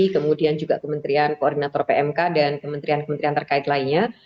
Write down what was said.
kemudian juga kementerian koordinator pmk dan kementerian kementerian terkait lainnya